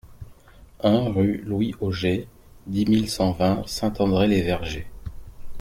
un rue Louis Auger, dix mille cent vingt Saint-André-les-Vergers